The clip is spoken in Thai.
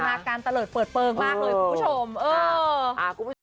อินทนาการตะเลิศเปิดเปิงมากเลยคุณผู้ชม